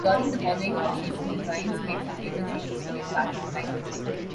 During the following offseason, the Giants made some major changes to their starting lineup.